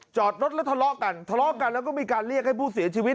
จอดรถแล้วทะเลาะกันทะเลาะกันแล้วก็มีการเรียกให้ผู้เสียชีวิต